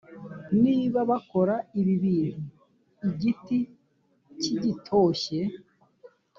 niba bakora ibi bintu igiti kigitoshye